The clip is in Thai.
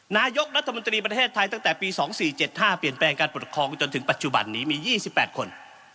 นายกรัฐมนตรีประเทศไทยตั้งแต่ปี๒๔๗๕เปลี่ยนแปลงการปกครองจนถึงปัจจุบันนี้มี๒๘คน